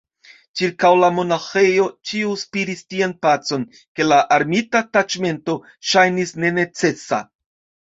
Ĉirkaŭ la monaĥejo ĉio spiris tian pacon, ke la armita taĉmento ŝajnis nenecesa.